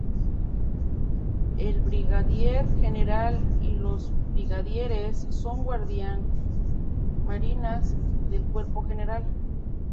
El brigadier general y los brigadieres son guardiamarinas de cuerpo general.